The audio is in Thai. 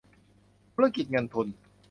ธุรกิจเงินทุน